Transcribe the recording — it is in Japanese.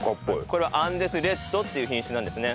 これアンデスレッドっていう品種なんですね。